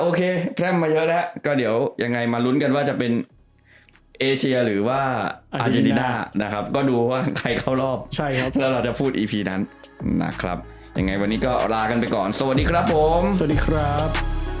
โอเคแพร่มมาเยอะแล้วก็เดี๋ยวยังไงมาลุ้นกันว่าจะเป็นเอเชียหรือว่าอาเจนติน่านะครับก็ดูว่าใครเข้ารอบใช่ครับแล้วเราจะพูดอีพีนั้นนะครับยังไงวันนี้ก็ลากันไปก่อนสวัสดีครับผมสวัสดีครับ